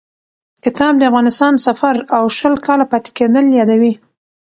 کتاب د افغانستان سفر او شل کاله پاتې کېدل یادوي.